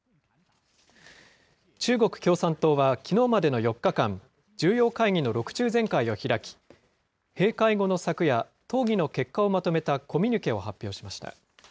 中国共産党はきのうまでの４日間、重要会議の６中全会を開き、閉会後の昨夜、討議の結果をまとめたコミュニケを発表しました。